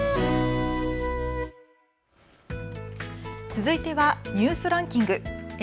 続いてはニュースランキング。